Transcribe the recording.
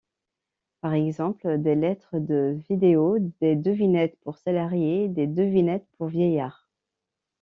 Par exemple “des lettres de vidéos”, “des devinettes pour salariés”, “des devinettes pour vieillards”.